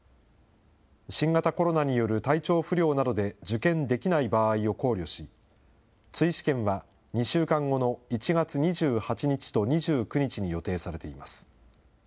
新型コロナによる体調不良などで受験できない場合を考慮し、追試験は２週間後の１月２８日と２９日に予定されています。